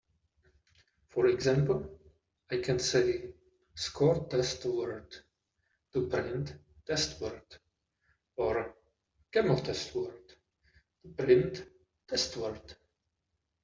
For example, I can say "score test word" to print "test word", or "camel test word" to print "testWord".